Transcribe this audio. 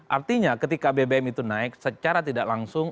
artinya ketika bbm itu naik secara tidak langsung